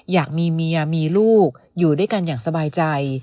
อยากมีเมียมีลูกอยู่ด้วยกันอย่างสบายใจ